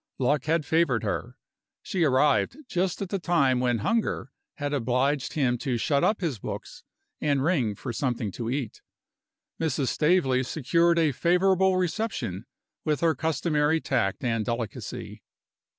Luck had favored her. She arrived just at the time when hunger had obliged him to shut up his books, and ring for something to eat. Mrs. Staveley secured a favorable reception with her customary tact and delicacy.